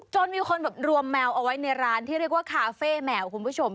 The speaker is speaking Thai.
มีคนแบบรวมแมวเอาไว้ในร้านที่เรียกว่าคาเฟ่แมวคุณผู้ชม